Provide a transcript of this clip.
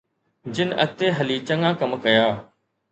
جن اڳتي هلي چڱا ڪم ڪيا.